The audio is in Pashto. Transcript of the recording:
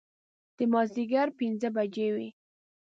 د مازدیګر پنځه بجې وې.